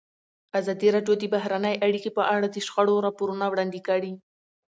ازادي راډیو د بهرنۍ اړیکې په اړه د شخړو راپورونه وړاندې کړي.